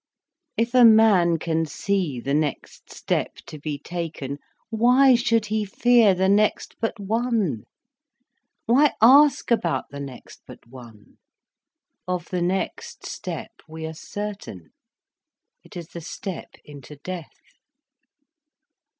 If a man can see the next step to be taken, why should he fear the next but one? Why ask about the next but one? Of the next step we are certain. It is the step into death.